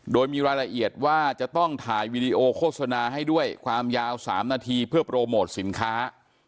โดยมีรายละเอียดว่าจะต้องถ่ายวีดีโอโฆษณาให้ด้วยความยาว๓นาทีเพื่อโปรโมทสินค้า